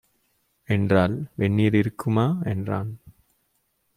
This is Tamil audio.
என்றாள். "வெந்நீர் இருக்குமா" என்றான்.